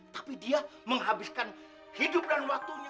tapi dia menghabiskan hidup dan waktunya